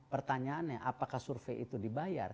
pertanyaannya apakah survei itu dibayar